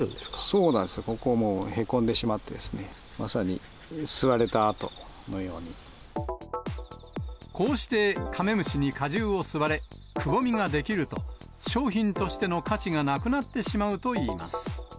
そうなんですよ、ここ、もう、へこんでしまって、こうしてカメムシに果汁を吸われ、くぼみが出来ると、商品としての価値がなくなってしまうといいます。